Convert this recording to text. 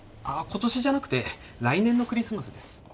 あっ今年じゃなくて来年のクリスマスです。